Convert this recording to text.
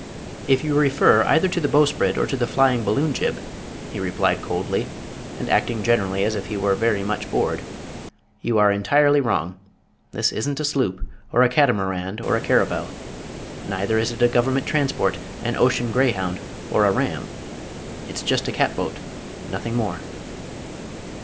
"If you refer either to the bowsprit or to the flying balloon jib," he replied coldly, and acting generally as if he were very much bored, "you are entirely wrong. This isn't a sloop, or a catamaran, or a caravel. Neither is it a government transport, an ocean gray hound, or a ram. It's just a cat boat, nothing more."